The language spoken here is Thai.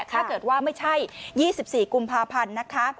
ถ้าเกิดว่าไม่ใช่๒๔กุมภาพันธ์นะคะ